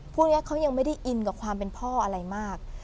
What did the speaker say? พวกนี้เขายังไม่ได้อินกับความเป็นพ่ออะไรมาก